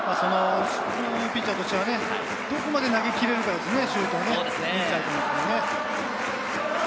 ピッチャーとしては、どこまで投げきれるかですね、シュートをインサイドに。